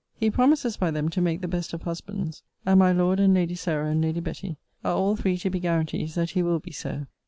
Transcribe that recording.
He promises by them to make the best of husbands; and my Lord, and Lady Sarah, and Lady Betty, are all three to be guarantees that he will be so.